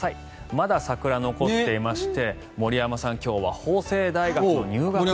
まだ桜、残っていまして森山さん、今日は法政大学の入学式です。